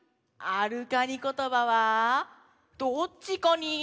「あるカニことば」はどっちカニ？